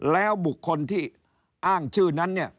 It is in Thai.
แล้วบุคคลที่อ้างชื่อนั้นเนี่ย